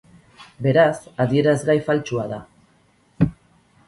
Beraz, adierazgai faltsua da.